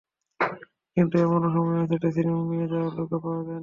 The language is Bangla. কিন্তু এমনও সময় আছে, ড্রেসিংয়ে নিয়ে যাওয়ার লোকও পাওয়া যায় না।